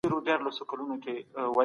اسلام د هر ډول ظلم او ستم پای دی.